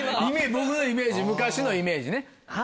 僕のイメージ昔のイメージね。